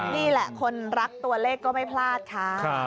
นี่แหละคนรักตัวเลขก็ไม่พลาดค่ะ